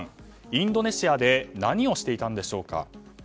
インドネシアで何をしていたんでしょうか。